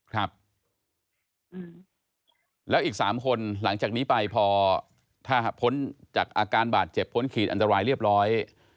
ครับแล้วอีก๓คนหลังจากนี้ไปพอถ้าพ้นจากอาการบาดเจ็บพ้นขีดอันตรายเรียบร้อย